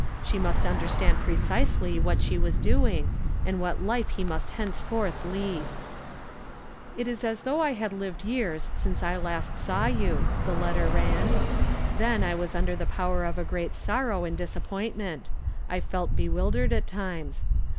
She must under stand precisely what she was doing, and what life he must henceforth lead. ■m 11 ii H 352 YESTERDAY FRAMED IN TO DAY. " It is as though I had lived years since I last saw you," the letter ran. " Then I was under the power of a great sorrow and disappointment ; I felt bewildered at times.